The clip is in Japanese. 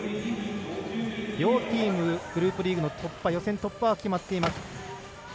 両チームグループリーグの予選突破は決まっています。